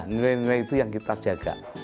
nilai nilai itu yang kita jaga